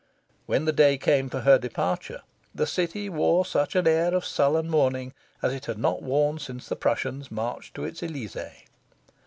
When the day came for her departure, the city wore such an air of sullen mourning as it had not worn since the Prussians marched to its Elysee.